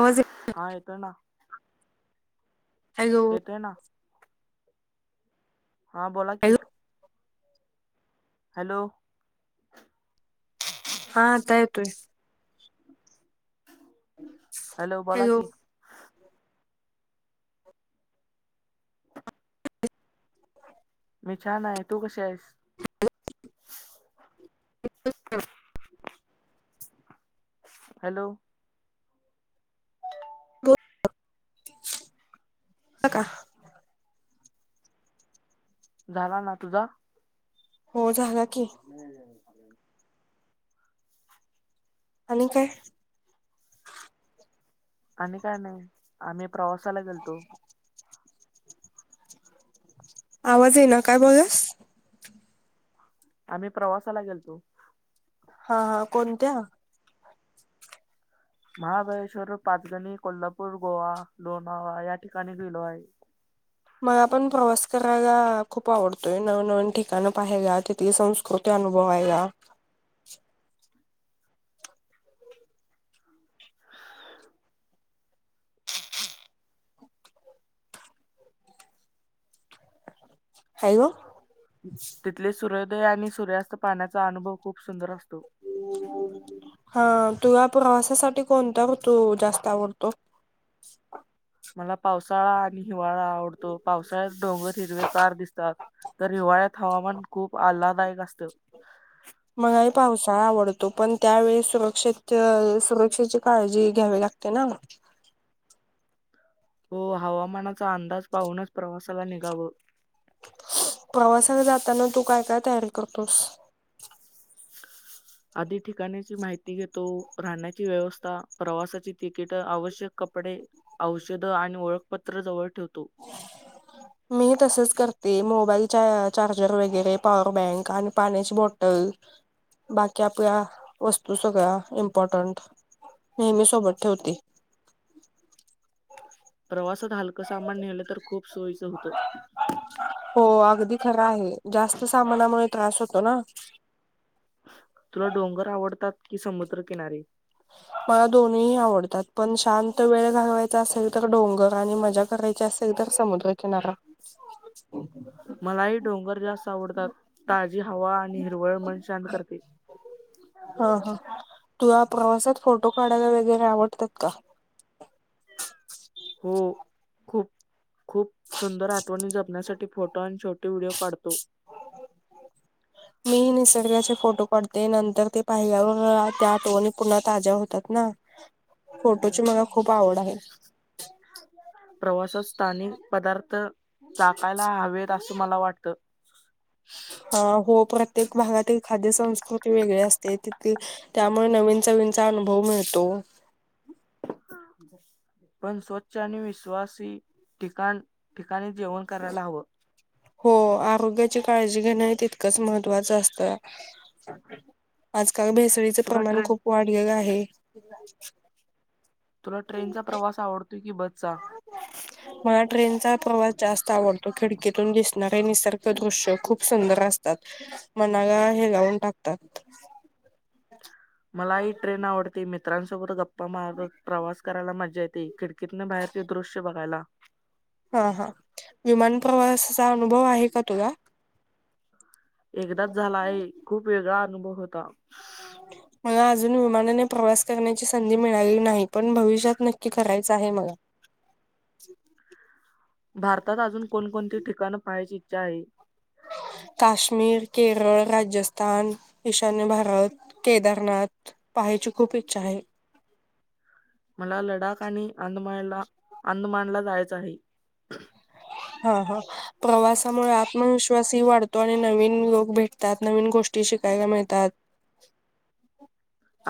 आवाज हा येतय ना. हॅलो! दे ना.. हा बोला की हॅलो हॅलो! हा आता येतोय हॅलो बोला की मी छान आहे.. तू कशी आहेस? ह [unintelligible] हॅलो! बोल की आवाज येतोय का? [unintelligible] झाला ना तुझा? हो झाला की.. नाही झाला [unintelligible] आणि काय? आणि काय नाही आम्ही प्रवासाला गेलतो आवाज येई ना.. काय बोलास? आम्ही प्रवासाला गेलतो.. हा हा..... कोणत्या? महाबळेश्वर, पाचगणी, कोल्हापूर, गोवा, लोणावळा या ठिकाणी गेलो आहे. मला पण प्रवास करायला खूप आवडतोय.. नवनवीन ठिकाणं पाहायला तिथे संस्कृती तो ते अनुभववायला हॅलो! तिथले सूर्योदय आणि सूर्यास्त पाहण्याचा अनुभव खूप सुंदर असतो हा तुला प्रवासासाठी कोणत्या ऋतू जास्त आवडतो? मला पावसाळा आणि हिवाळा आवडतो, पावसाळ्यात डोंगर हिरवे गार दिसतात. तर हिवाळ्यात हवामान खूप आल्लादायक असतं. मलाही पावसाळा आवडतो, पण त्यावेळीस सुरक्ष सुरक्षेची काळजी घ्यावी लागते. त्यांना म हो हवामानाचा अंदाज पाहूनच प्रवासाला निघावं प्रवासाला जाताना तू काय काय तयारी करतोस? आधी ठिकाणाची माहिती घेतो राहण्याची व्यवस्था प्रवासाची तिकीट आवश्यक कपडे, औषध आणि ओळखपत्र जवळ ठेवतो.. हो. मी ही तसेच करते मोबाईल, चार्जर वगैरे पॉवर बँक आणि पाण्याची बॉट ल बाकी आपल्या वस्तू सगळ्या इम्पॉर्टंट नेहमी सोबत ठेवते. प्रवासात हलकं सामान नेलं तर खूप सोयीचं होतं. हो अगदी खरा आहे जास्त सामानामुळे त्रास होतो ना. तुला डोंगर आवडतात की समुद्रकिनारी? मला दोन्ही आवडतात पण शांत वेळ घालवायचा असेल तर डोंगर आणि मज्या करायची असेल तर समुद्र किनारा. [unintelligible] मलाही डोंगर जास्त आवडतात ताजी हवा आणि हिरवळ मन शांत करते. हा हा.. तूला प्रवासात फोटो काढायला वगैरे आवडतात का? हो खूप.. खूप सुंदर आठवणी जपण्यासाठी फोटो आणि छोटी व्हिडिओ काढतो. तो हो. मी निसर्गाचे फोटो काढते नंतर ते पाहिल्यावर त्या आठवणी पुन्हा ताज्या होतात ना. फोटोची मला खूप आवड आहे. प्रवासात स्थानिक पदार्थ चाकायला हवेत असं मला वाटतं. हा हो प्रत्येक भागातील खाद्य संस्कृती वेगळी असते. तिथे त्यामुळे नवीन चवीनचा अनुभव मिळतो. पण स्वच्छ आणि विश्वासी ठिकाण ठिकाणी जेवण करायला हवं. हो आरोग्याची काळजी घेणं हे तितकंच महत्त्वाचं असतं. आजकाल भेसळीच तुला प्रमाण ट्रेन खूप वाढलेलं आहे. [unintelligible] तुला ट्रेनचा प्रवास आवडतोय की बसचा? [unintelligible] मला ट्रेनचा प्रवास जास्त आवडतो, खिडकीतून दिसणारे निसर्ग दृश्य खूप सुंदर असतात. मनाला हेलावून टाकतात. मलाही ट्रेन आवडते मी मीत्रांसोबत गप्पा मारत प्रवास करायला मजा येते, खिडकीतन बाहेरचे दृश्य बघायला. हा हा विमान प्रवासाचा अनुभव आहे का तुला? एकदाच झाला आहे. खूप वेगळा अनुभव होता. [unintelligible] मला अजून विमानाने प्रवास करण्याची संधी मिळालेली नाही, पण भविष्यात नक्की करायचं आहे मला. भारतात अजून कोणकोणती ठिकाणं पाहायची इच्छा आहे? काश्मीर, केरळ, राजस्थान, ईशान्य भारत. केदारनाथ पहायची खूप इच्छा आहे. मला लडाख आणि अंदमानला अंदमानला जायचं आहे. हा हा प्रवासामुळे आत्मविश्वासही वाढ तो आणि नवीन लोक भेटतात नवीन गोष्टी शिकायला मिळतात.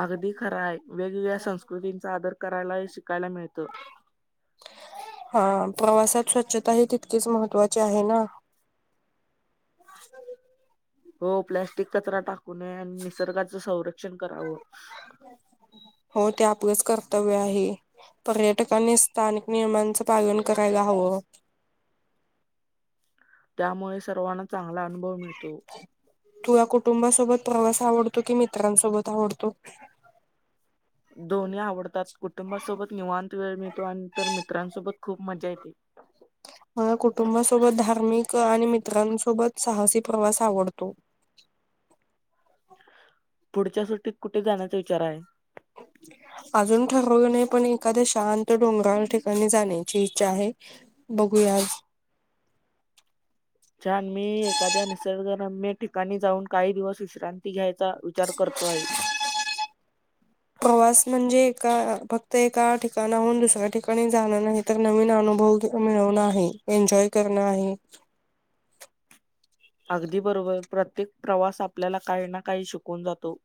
अगदी खरा आहे वेगवेगळ्या संस्कृतींचा आदर करायला ही शिकायला मिळत. हा प्रवासात स्वच्छता ही तितकीच महत्त्वाची आहे ना. हो प्लॅस्टिक कचरा टाकू नये आणि निसर्गाचं संरक्षण करावं. हो ते आपलंच कर्तव्य आहे. पर्यटकांनी स्थानिक नियमांचं पालन करायला हवं. त्यामुळे सर्वांना चांगला अनुभव मिळतो. तुला कुटुंबासोबत प्रवास आवडतो कि मित्रांसोबत आवडतो? दोन्ही आवडतात कुटुंबासोबत निवांत वेळ मिळतो, आणि तर मित्रांसोबत खूप मजा येते. मला कुटुंबासोबत धार्मिक आणि मित्रांसोबत साहसी प्रवास आवडतो. पुढच्या सुटीत कुठे जाण्याचा विचार आहे. [unintelligible] अजून ठरवलं नाही, पण एखाद्या शांत डोंगराळ ठिकाणी जाण्याची इच्छा आहे. बघूया आ छान मी एखाद्या निसर्गरम्य ठिकाणी जाऊन काही दिवस विश्रांती घ्यायचा वि चार करतो आहे. प्रवास म्हणजे एका फक्त एका ठिकाणाहून दुसऱ्या ठिकाणी जाणार नाही. तर नवीन अनुभव मिळवण आहे. एन्जॉय करणं आहे. अगदी बरोबर प्रत्येक प्रवास आपल्याला काही ना काही शिकवून जातो.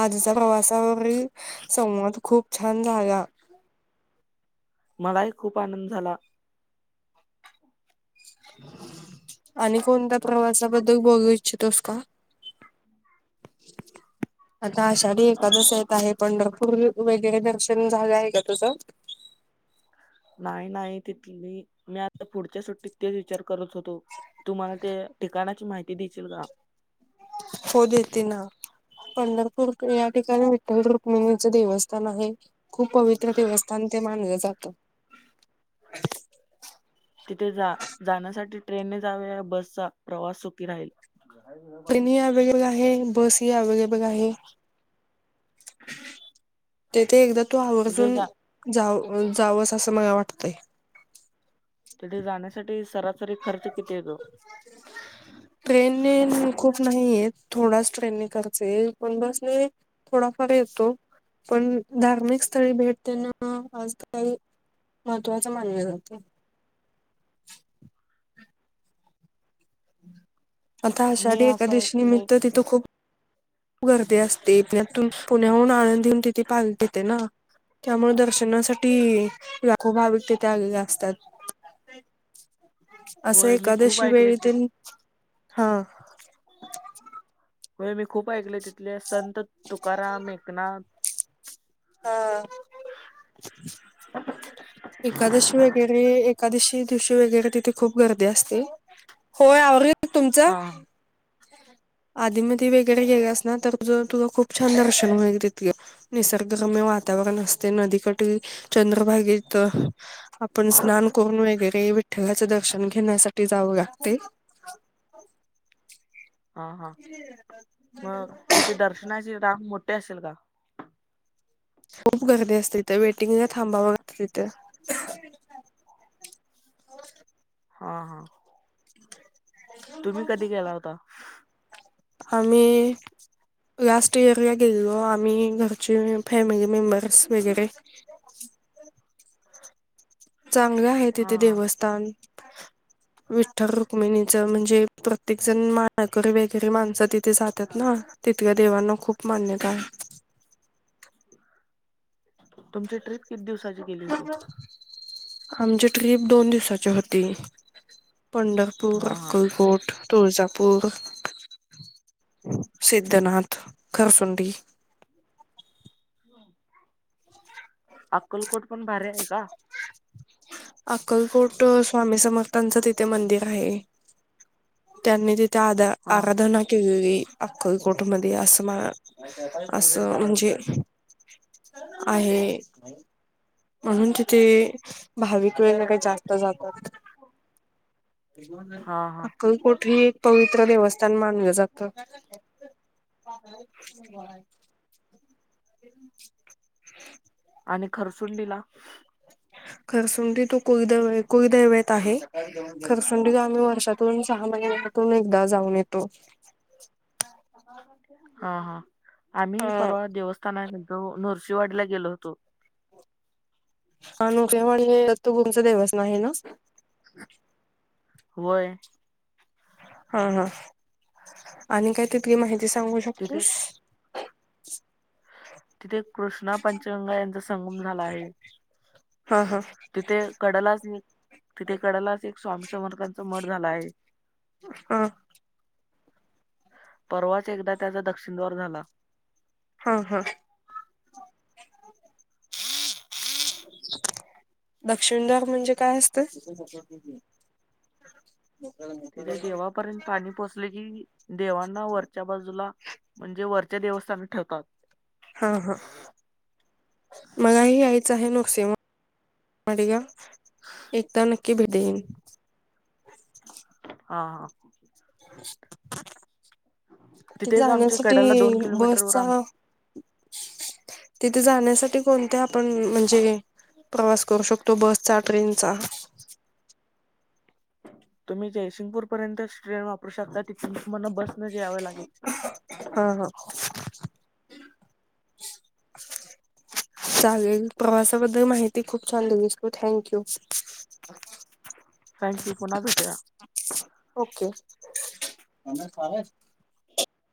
आजचा प्रवासावरील संवाद खूप छान झाला. मलाही खूप आनंद झाला. आणि कोणत्या प्रवासाबद्दल बघू इच्छितोस का? [inaudible] आता आषाढी एखादस येत आहे. पंढरपूर वैगेरे दर्शन झालं आहे का तुझं? नाही नाही तिथली, मी आता पुढच्या सुट्टीत तेच विचार करत होतो. तु मला ते ठिकाणाची माहिती देशील का? हो देेत ना. पंढरपूर या ठिकाणी विठ्ठल रुक्मिणीचं देवस्थान आहे. खूप पवित्र देवस्थान ते मानलं जात. तिथे जा जाण्यासाठी ट्रेनने जावे या बसचा प्रवास सुखी राहील? ट्रेनही अव्हेलेबल आहे. बसही अव्हेलेबल आहे तेथे एकदा तू तिथे आवर्जून जा जाव जावस. असं मला वाटतंय. तिथे जाण्यासाठी सरासरी खर्च किती येतो? ट्रेन नेन खूप नाहीये. थोडाच ट्रेनने खर्च येईल. पण बस ने थोडाफार येतो. पण धार्मिक स्थळी भेटदेन आज काळी महत्त्वाच मानले जाते. आता मी आषाडी असं एकादवशी ऐकलंय निमित्त तिथं खूप गर्दी असते. त्यातून पुण्याहून आळनंदी हून तिथे पालखी येते ना. त्यामुळ दर्शनासाठी लाखो भाविक तेथे आलेले असतात. असं होय मी खूप एकादेशी ऐकले ते वेळीतीन, हा. होय मी खूप ऐकलय, तिथले संत तुकाराम, एकनाथ हा. [inaudible] एकादशी वगैरे, एकादशी दिवशी वेगैरे तिथे खूप गर्दी असते. होय आवरील की, तुमचं? हा हा आधी मध्ये वगरे गेलेस ना, तर तुझ खूप छान दर्शन होईल तिथल. निस रम्य वातावरण असते. नदीकाठी चंद्रभागेत आपण स्नान करून वगैरे, विठ ठ्ठलाचं दर्शन घेण्यासाठी जावं लागते. हा हा. मग तिथे दर्शनाची राग मोठे असेल का? खूप गर्दी असते. ते वेटिंगला थांबावं लागत तिथं. हा हा. तुम्ही कधी गेला होता आम्ही लास्ट इयरला गेलेलो. आम्ही घरचे फॅमिली मेंबर्स वगैरे. चांगलं आहे हा तिथे हा देवस्थान. विठ्ठल रुक्मिणीचं म्हणजे, प्रत्येक जण माळकरी वगैरे माणसं तिथे जातात ना. तिथल्या देवांना खूप मान्यता आहे. तुमची ट्रिप किती दिवसाची गेली होती? आमची ट्रिप दोन दिवसाची होती. पंढरपूर, हा हा अक्कलकोट, तुळजापूर सिद्धनाथ, खरसुंडी. अक्कलकोट पण भारी आहे का? अक्कलकोट स्वामी समर्थांचं तिथे मंदिर आहे. त्यांनी तिथ आ हा आराधना केळ अ कठमध्येती असं मा असं म्हणजे आहे. म्हणून तिथे भाविक वेगे काही जास्त जातात. हा त हा हा कही कुठेही एक पवित्र देवस्थान मानलं जातं. ब हम्. आणि खरसून दिला. ह. खरसुंडी तो कुईदव कुईदेवत आहे खरसुंडी आम्ही वर्षातून सहा महिनेत ून एकदा जाऊन येतो. हा हा आम्ही अ परवाळा देवस्थाना जो नरसिवाडीला गेलो होतो. अनु केवण तो गुमच देवस नाही ना. होय. हा हा आणि काय तिितली माहिती सांगू तिथे शकतोस. तिथे कृष्णा पंचगंगा यांचा संगम झाला आहे. हा हा तिथे कडलाच तिथे कडलाच एक स्वामी समर्कांचा मठ झाला आहे. हा. परवाच एकदा त्याचा दक्षिणद्वार झाला. हा हा. दक्षिणदााग म्हणजे काय असतं. तिथे देवापर्यंत पाणी पोचले कि देवांना वर. च्या बाजूला म्हणजे वरचे देवस्थान ठेवतात. हा हा मलाही यायचं आहे नुकसे म मगा. एकदा नक्की भेट देन हा हा तिथे तिथेच आमच्या जाण्यासाठी कड्याला दोन किलोमीटरवर आम बसचा. तिथे जाण्यासाठी कोणत आपण म्हणजे प्रवास करू शकतो बसचा ट्रेनचा. तुम्ही जयसिंगपूर पर्यंत ट्रेन वापरूकता तिथून तुम्हाला बस नं यावं लागेल. ह हा. चालेल प्रवासाबद्दल माहिती खूप छान दिलीशकू थँक यू. थँक्यू पु्हा भेट. ओके.